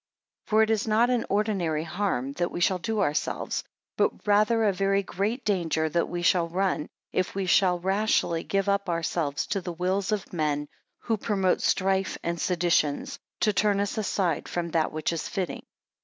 8 For it is not an ordinary harm that we shall do ourselves, but rather a very great danger that we shall run, if we shall rashly give up ourselves to the wills of men, who promote strife and seditions, to turn us aside from that which is fitting.